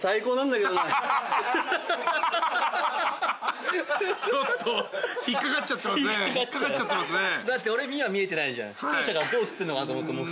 だって俺には見えてないじゃん。